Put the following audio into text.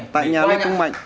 tại nhà lê công mạnh